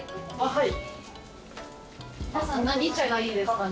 はい。